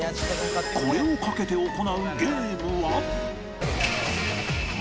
これをかけて行うゲームは